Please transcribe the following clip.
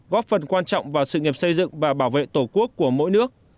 góp phần quan trọng vào sự nghiệp xây dựng và bảo vệ tổ quốc của mỗi nước